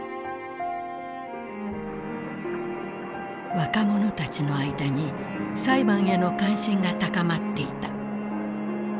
若者たちの間に裁判への関心が高まっていた。